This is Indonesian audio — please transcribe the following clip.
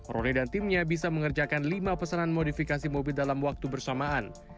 roni dan timnya bisa mengerjakan lima pesanan modifikasi mobil dalam waktu bersamaan